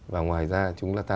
và ngoài ra chúng ta